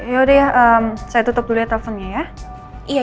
yaudah ya saya tutup dulu ya teleponnya ya